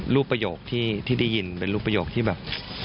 ประโยคที่ได้ยินเป็นรูปประโยคที่แบบ